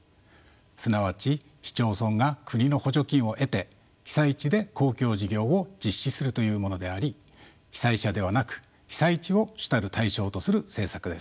すなわち市町村が国の補助金を得て被災地で公共事業を実施するというものであり被災者ではなく被災地を主たる対象とする政策です。